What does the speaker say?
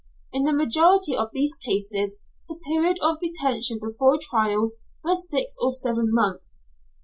In the majority of these cases the period of detention before trial was six or seven months.